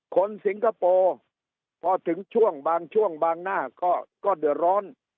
สิงคโปร์พอถึงช่วงบางช่วงบางหน้าก็เดือดร้อน